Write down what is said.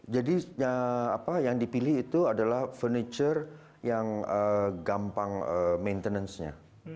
jadi yang dipilih itu adalah furniture yang gampang maintenancenya